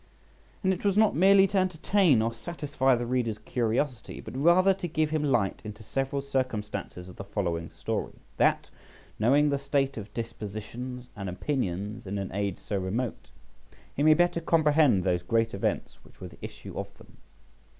And it was not merely to entertain or satisfy the reader's curiosity, but rather to give him light into several circumstances of the following story, that, knowing the state of dispositions and opinions in an age so remote, he may better comprehend those great events which were the issue of them.